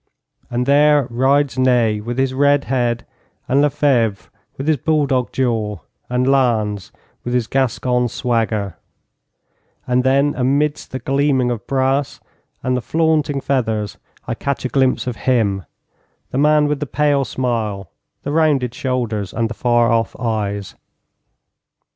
And there rides Ney with his red head, and Lefebvre with his bulldog jaw, and Lannes with his Gascon swagger; and then amidst the gleam of brass and the flaunting feathers I catch a glimpse of him, the man with the pale smile, the rounded shoulders, and the far off eyes.